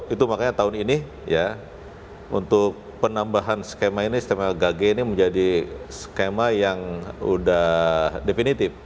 itu makanya tahun ini ya untuk penambahan skema ini skema gage ini menjadi skema yang sudah definitif